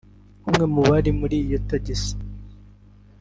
umwe mu bari muri iyo tagisi